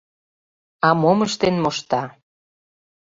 А мом ыштен мошта?